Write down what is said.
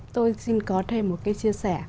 tôi xin có thêm một cái chia sẻ